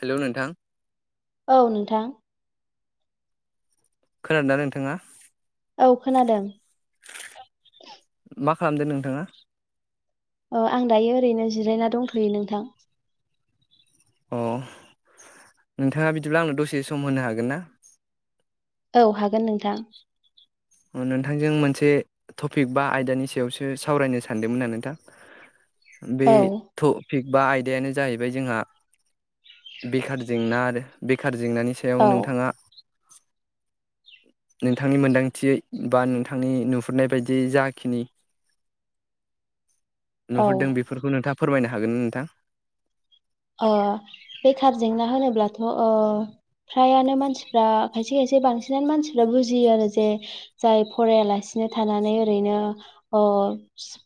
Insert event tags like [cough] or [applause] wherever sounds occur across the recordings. हेल' नोंथां। औ नोंथां। खोनादोंदा नोंथाङा? औ खोनादों। मा खालामदों नोंथाङा? ओ आं दायो ओरैनो जिरायना दंथ'यो नोंथां। अ नोंथाङा बिदिब्ला आंनो दसे सम होनो हागोन ना? औ हागोन नोंथां। नोंथांजों मोनसे टपिक बा आयदानि सायावसो सावरायनो सानदोंमोआं नोंथां। बे औ थ थिग बा आयदायानो जाहैबाय जोंहा बेखार जेंना आरो बेखार जेंनानि सायाव औ नोंथाङा नोंथांनि मोन्दांथियै बा नोंथांनि नुहुरनाय बायदि जाखिनि औ नुहुरदों बेफोरखौ नोंथाङा फोरमायनो हागोन नोंथां? थ' ओ फ्रायानो मानसिफ्रा खायसे खायसे बांसिनानो मानसिफ्रा बुजियो आरो जे जाय फरायालासि नों थानानै ओरैनो ओ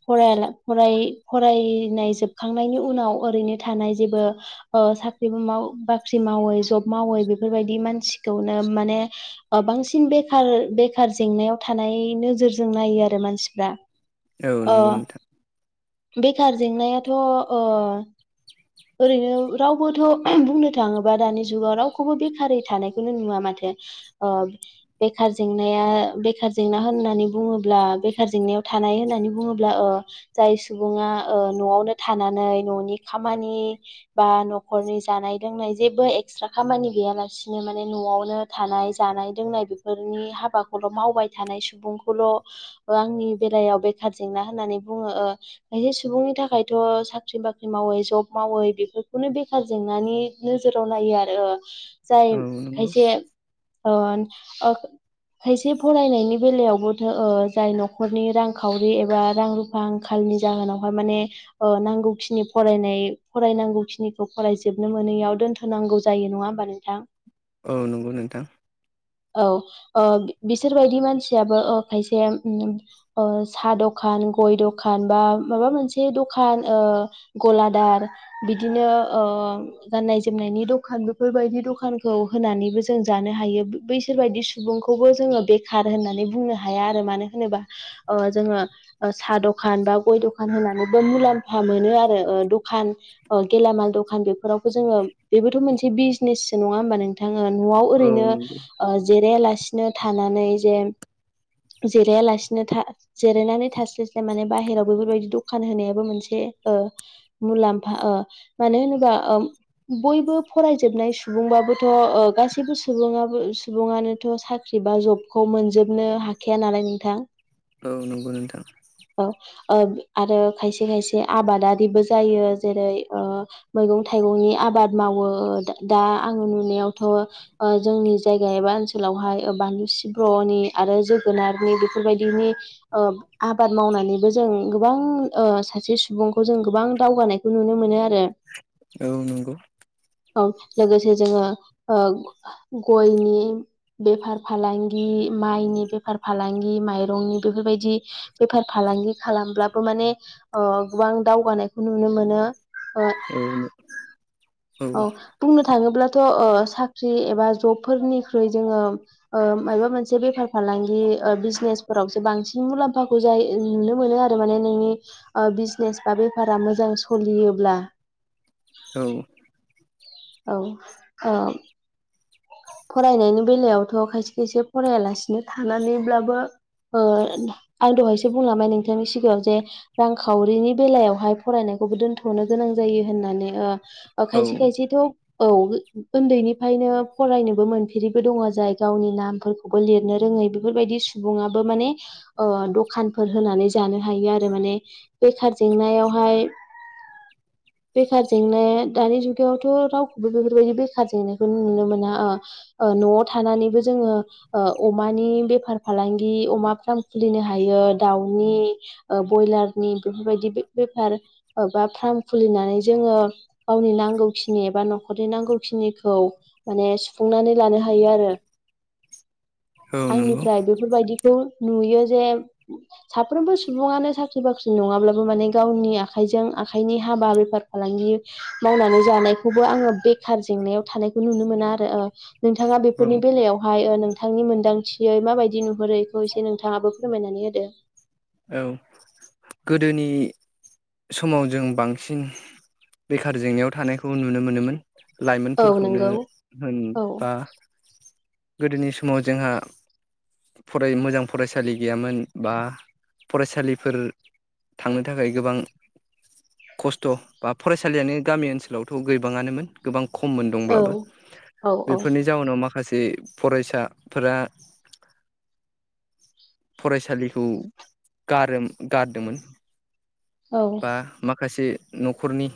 फरायाला फरय फरायनाय जोबखां खांनायनि उनाव ओरैनो थानाय जेबो ओ साख्रिबो माव बाख्रि मावै जब मावै बेफोरबायदि मानसिखौनो माने बांसिन बेखार-बेखार जेंनायाव थानाय नोजोरजों नायो आरो मानसिफ्रा। औ ओ नंगौ नोंथां। बेखार जेंनायाथ' ओ ओरैनो रावबोथ' बुंनो थाङोबा दानि जुगाव रावखौबो बेखारै थानायखौनो नुवा माथो। ओ बेखार जेंनाया बेखार जेंना होननानै बुङोब्ला बेखार जेंनायाव था थानाय होननानै बुङोब्ला ओ जाय सुबुङा ओ न'आवनो थानानै न'नि खामानि नि बा न'खरनि जानाय लोंनाय जेबो एक्सट्रा खामानि गैयालासिनो माने न'आवनो थानाय जानाय लोंनाय बेफोरनि हाबाखौल' मावबाय थानाय सुबुंखौल', ओ आंनि बेलायाव बेखार जेंना होननानै बुङो ओ खायसे सुबुंनि थाखायथ' साख्रि बाख्रि मावै जब मावै बेफोरखौनो बेखार जेंनानि नोजोराव नायो आरो। जाय औ नंगौ खायसे ओ खायसे फरायनायनि बेलायावबो थो जाय न'खरनि रांखावरि एबा रां रुफा आंखाल नि जाहोनावहाय माने नांगौखिनि फरायनाय फरायनांगौखिनिखौ फरायजोबनो मोनैयाव दोनथ'नांगौ जायो नङा होमबा नोंथां? औ नंगौ नोंथां। औ ओ बिसोरबायदि मानसियाबो ओ खायसे ओ सा दखान बा नों गय दखान बा माबा मोनसे दखान गलादार बिदिनो ओ, गाननाय जोमनायनि दखान बेफोरबायदि दखानखौ होनानैबो जों जानो हायो बैसोर बायदि सुबुंखौबो जोङो बेखार होननानै बुंनो हाया आरो मानो होनोबा ओ जोङो साहा ओ दखान बा गय दखान होनांगौबो मुलाम्फा मोनो आरो, अ दखान ओ गेलामाल दखान बेफोरावबो जोङो बेबोथ' मोनसे बिजनेससो नङा होमबा नोंथां? ओ न'आव औ ओरैनो नंगौ ओ जिरायालासिनो थानानै जे जिरायालासिनो था जिरायनानै थास्लायस्लाय माने बाहेराव बेफोरबायदि दखान होनायाबो मोनसे ओ मुलाम्फा ओ मानो होनोबा उम बयबो फरायजोबनाय सुबुंबाबोथ', ओ गासैबो सुबुंङो सुबुङानोथ' साख्रि एबा जबखौ मोनजोबनो हाखाया नालाय नोंथां। औ नोंगौ नोंथां। ओ आरो खायसे खायसे आबादारिबो जायो। जेरै मैगं ओ थाइगंनि आबाद मावो, दा आं नुनायावथ' ओ जोंनि जायगा एबा ओनसोलावहाय बानलु सिब्रहनि आरो जोगोनारनि बेफोरबायदिनि ओ आबाद मावनानैबो जों गोबां ओ सासे सुबुंखौ जों गोबां दावगानाय खौ नुनो मोनो आरो औ नंगौ औ लोगोसे जोङो ओ गयनि बेफार फालांगि माइनि बेफार फालांगि माइरंनि बेफोरबायदि बेफार फालांग फालांगि खालामब्लाबो माने ओ गोबां दावगानायखौ नुनो मोनो नों ओ औ औ बुंनो थाङोब्लाथ' ओ साख्रि एबा जबफोरनिख्रुइ जोङो ओ माबा मोनसे बेफार फालांगि ओ बिजनेसफोरावसो बांसिन मुलाम्फाखौ जायो नुनो मोनो आरो माने नोंनि ओ बिजने बा बेफारा मोजां सोलियोब्ला औ औ औ फरायनायनि बेलायावथ' खायसे खायसे फरायालासिनो थानानैब्लाबो ओ आं दहायसो बुंलांबाय नोंथांनि सिगाङाव जे रांखावरिनि बेलायावहाय फरायनाय खौबो दोनथ'नो गोनां जायो होननानै ओ औ खायसे खायसेथ' औ उन्दैनिफ्रायनो फरायनोबो मोनफेरिबो दङ जाय गावनि नामफोरखौबो लिरनो रोङै बेफोरबायदि सुबुङाबो माने ओ दखानफोर होनानै जानो हायो आरो माने बेखार जेंनायावहाय [inaudible] बेखार जेंनाया दानि जुगावथ' रावखौबो बेफोरबायदि बेखार जेंनायखौ नुनो मोना ओ ओ न'आव थानानैबो जोङो ओ अमानि बेफार फालांगि अमा फार्म खुलिनो हायो यो दाउनि ओ बयलार नि बेफोरबायदि बेफार ओ बा फ्रा खुलिनानै जोङो गावनि नांगौखिनि एबा न'खरनि नांगौखिनिखौ माने सुं सुफुंनानै लानो हायो आरो [inaudible] औ नंगौ आंनिफ्राय बेफोरबायदि खौ नुयो जे साफ्रबो सुबुनो साख्रि बाख्रि नङाब्लाबो माने गावनि आखाइ जों आखाइनि हाबा बेफार फालांगि मावनानै जानायखौबो आङो बेखार जेंनायाव थानायखौ नुनो मोनो आरो ओ नोंथाङा औ बेफोरनि बेलायावहाय ओ नोंथांनि मोनदांथियै माबायदि नुहुरो बेखौ एसे नोंथाङाबो फोरमायनानै होदो औ गोदोनि समाव जों बांसिन बेखार जेंनायाव थानायखौ नुनो मोनोमोन औ लाइमोनफोरखौनो नंगौ होन औ बा गोदोनि समाव जोंहा फराय मोजां फरायसालि गैयामोन बा फरायसालिफोर थांनो थाखाय गोबां खस्थ' बा फरायसालियानो गामि ओनसोलावथ' गोबाङानो मोन गोबां खममोन औ दंब्लाबो औ औ बेफोरनि जाउनाव माखा माखासे फरायसा फोरा फरायसालिखौ गारोम गारदोंमोन औ बा माखासे न'खरनि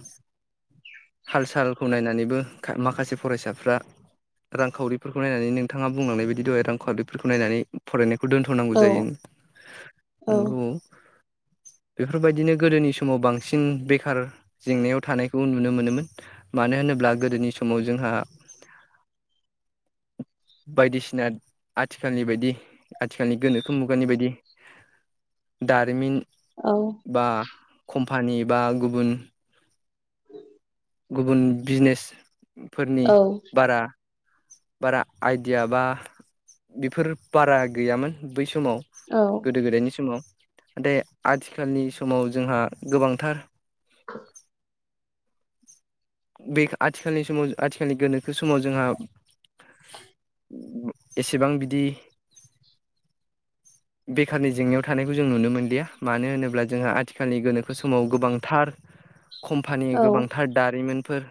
हाल -सालखौ नायनानैबो माखासे फरायसाफ्रा रांखावरिफोरखौ नायनानै नोंथाङा बुंलांनाय बायदि दहाय रांखावरिफोरखौ नायनानै फरायनाय -खौ दोनथ'नांगौ औ जायो औ नंगौ। बेफोरबायदिनो गोदोनि समाव बांसिन बेखार जेंनायाव थानायखौ नुनो मोनोमोन मानो -मानो होनोब्ला गोदोनि समाव जोंहा बायदिसिना आथिखालनि बायदि आथिखालनि गोनोखो मुगानि बायदि दारिमिन बा कम्पानि बा गुबुन गुबुन बिजनेसफोरनि औ बारा बारा आइडिया बा बेफोर बारा गैयामोन बै सम समाव औ गोदो -गोदायनि समाव। नाथाय आथिखालनि समाव जोंहा गोबांथार बे आथिखालनि समाव आथिखालनि गोनोखो समाव जोंहा एसेबां बिदि बेखारनि जेंनायाव थानायखौ जों नुनो मोनलिया मानो होनोब्ला जोंहा आथिखालनि गोनोखो समाव गोबांथार कम्पानि गोबांथार दारिमिन फोर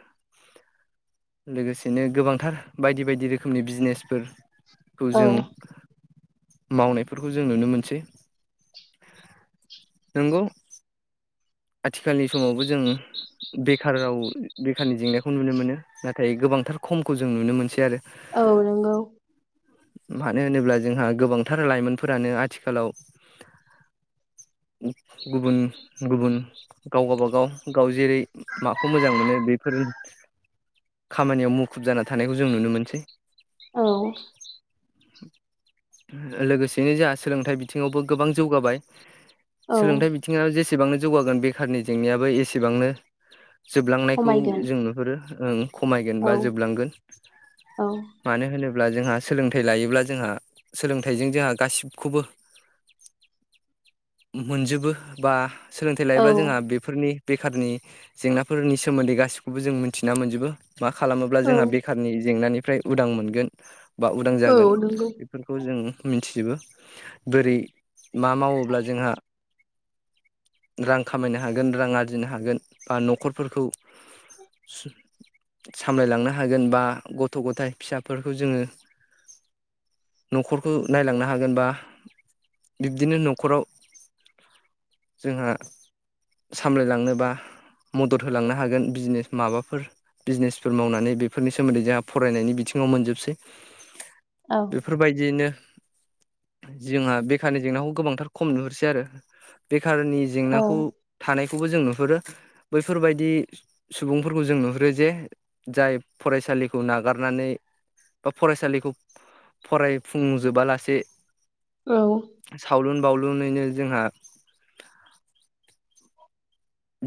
लोगोसेनो गोबांथार बायदि-बायदि रोखोमनि बिजनेसफोर खौ औ जों मावनायफोरखौ जों नुनो मोनसै [inaudible] नोंगौ आथिखालनि समावबो जों बेखार राव बेखारनि जेंनाखौ नुनो मोनो नाथाय गोबांथार खमखौ जों नुनो मोनसै आरो। औ नंगौ। मानो होनोब्ला जोंहा गोबांथार लाइमोनफोरानो आथिखालाव गुबुन-गुबुन गाव-गाबागाव गावजि जेरै माखौ मोजां मोनो बेफोर खामानियाव मुखुब जाना थानायखौ जों नुनो मोनसै। औ। लोगोसेयैनो जोंहा सोलोंथाइ बिथिङावबो गोबां जौगाबाय। औ सोलोंथाइ बिथिङाव जेसेबांनो जौगागोन बेखारनि जेंनायाबो एसेबांनो जोबलांनायखौ खमायगोन जों नुहुरो ओं। खमायगोन औ बा जोबलांगोन औ मानो होनोब् -ब्ला जोंहा सोलोंथाइ लायोब्ला जोंहा सोलोंथाइजों जोंहा गासिबखौबो मोनजोबो बा सोलोंथाइ औ लायोब्ला जोंहा बेफोरनि बेखारनि जेंनाफोरनि सोमोन्दै गाससिखौबो जों मिथिना मोनजोबो। मा खालामोब्ला औ जोंहा बेखारनि जेंनानिफ्राय उदां मोनगोन। बा उदां औ जागोन नंगौ बेफोरखौ जों मिथि जोबो बोरै मा मावोब्ला जोंहा [inaudible] रां खामायनो हागोन रां आरजिनो हागोन बा न'खरफोरखौ सु सामलायलांनो हागोन बा गथ'-गथाय फिसाफोरखौ जोङो न'खरखौ नायलांनो हागोन बा बिब्दिनो न'खराव जोंहा सामलायलांनोबा मदद होलांनो हागोन बिजनेस माबाफोर बिजनेसफोर मावनानै बेफोरनि सोमोन्दै जोंहा फरायनायनि बिथिङाव मोनजोबसै। औ बेफोरबायदि यैनो जोंहा बेखारनि जेंनाखौ गोबांथार खम नुहरसै आरो बे खारनि औ जेंनाखौ थानायखौबो जों नुहुरो बैफोरबायदि सुबुंफोरखौ जों नुहुरो जे जाय फरायसालिखौ नागारनानै बा फरायसालिखौ फरायफुंजोबालासे औ सावलुन बावलुनैनो जोंहा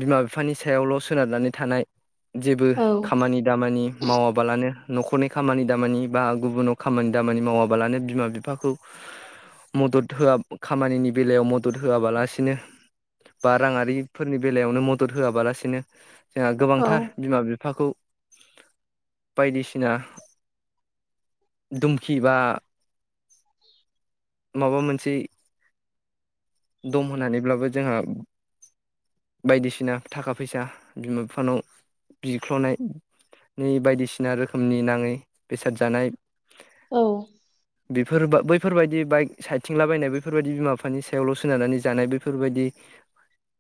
बिमा-बिफानि सायावल' सोनारनानै थानाय। जेबो औ खामानि दामानि मावाबालानो न'खरनि खामानि दामानि बा गुबुनाव खामानि दामानि मावाबालानो बिमा-बिफाखौ मदद होआ खामानिनि बेलायाव मदद होआबालासिनो बा राङारिफोरनि बेलायावनो मदद होआबालासिनो जोंहा औ गोबांथार बिमा-बिफाखौ [inaudible] बायदिसिना दुमखि बा [inaudible] माबा मोनसे दम होनानैब्लाबो जोंहा बायदिसिना थाखा फैसा बिमा बिफानाव बिख्ल'नाय नै बायदिसिना रोखोमनि नाङै बेसाद जानाय। औ बेफोरा बै बेफोरबायदि बाइक सायथिंलाबायनाय बेफोरबायदि बिमा बिफानि सायावल' सोनारनानै जानाय बेैफोरबायदि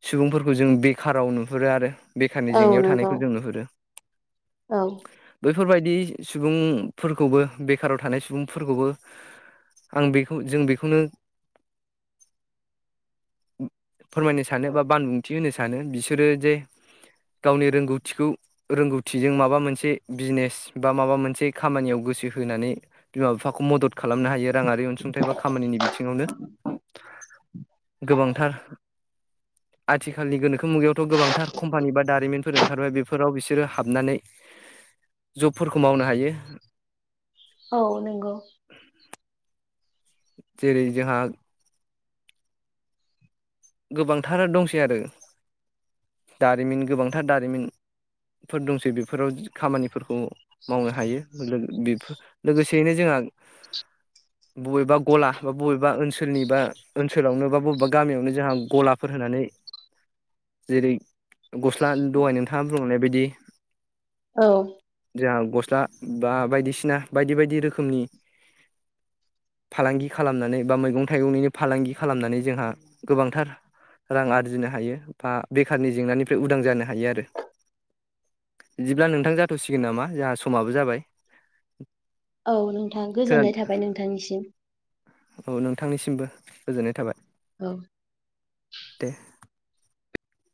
सुबुंफोरखौ जों बेखाराव नुहुरो आरो । बेखारनि औ जेंनायाव नंगौ थानायखौ जों नुहुरो। औ बेफोरबायदि सुबुंफोरखौबो बेखाराव थानाय सुबुंफोरखौबो। आं बेखौ जों बेखौनो फोरमायनो सानो बा बानबुंथि होनो सानो बिसोरो जे गावनि रोंगौथिखौ, रोंगौथिजों माबा मोनसे बिजनेस, बा माबा मोनसे खामानियाव ग गोसो होनानै बिमा बिफाखौ मदद खालामनो हायो, राङारि अनसुंथाइ बा खामानिनि बिथिङावनो गोबांथार आथिखालनि गोनोखो मुगायावथ' गोबांथार कम्पानि बा दारिमिनफोर ओंखारबाय बेफोराव बिसोरो हाबनानै। जबफोरखौ मावनो हायो। औ नंगौ जेरै जोंहा गोबांथार दंसै, आरो दारिमिन गोबांथार दारिमिन फोर दंसै बेफोराव खामानिफोरखौ मावनो हायो, बेफोर लोगोसेयैनो जोंहा थां बबेबा गला बा बबेबा ओनसोलनि बा ओनसोलावनो बा बबेबा गामियावनो जोंहा गलाफोर होनानै जेरै गस्ला दहाय नोंथाङा बुंनाय बायदि औ जोंहा गस्ला बा बायदिसिना बायदि बायदि रोखोमनि। फालांगि खालामनानै बा मैगं थाइगंनिनो फालांगि खालामनानै जोंहा गोबांथार रां आरजिनो हायो बा बेखारनि जेंनानिफ्राय उदां जानो हायो आरो। बिदिब्ला नोंथां जाथ'सिगोन नामा जोंहा समाबो जाबाय। औ नोंथां खोनान गोजोननाय थाबाय नोंथांनिसिम औ नोंथांनिसिमबो । गोजोननाय थाबाय। औ दे